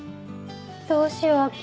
どうしよう亜季。